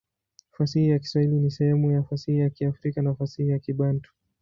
Fasihi ya Kiswahili ni sehemu ya fasihi ya Kiafrika na fasihi ya Kibantu.